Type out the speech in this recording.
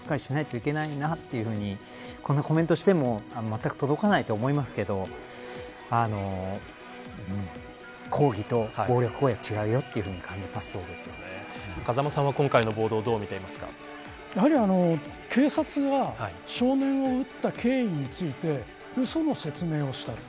その線引きをしっかりしないといけないなというのにこんなコメントしてもまったく届かないと思いますけど抗議と暴力行為は違うよと風間さんは今回の暴動をやはり警察が少年を撃った経緯についてうその説明をした。